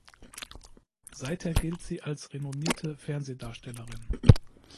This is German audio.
Seither gilt sie als renommierte Fernsehdarstellerin.